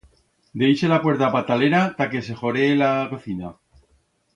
Deixa la puerta patalera ta que se joree la cocina.